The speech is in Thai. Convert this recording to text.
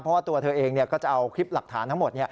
เพราะว่าตัวเธอเองก็จะเอาคลิปหลักฐานทั้งหมด